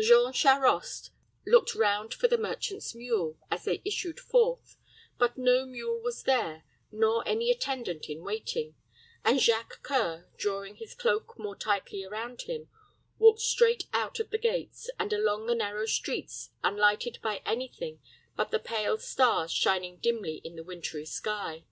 Jean Charost looked round for the merchant's mule, as they issued forth; but no mule was there, nor any attendant in waiting; and Jacques C[oe]ur drawing his cloak more tightly around him, walked straight out of the gates, and along the narrow streets, unlighted by any thing but the pale stars shining dimly in the wintery sky.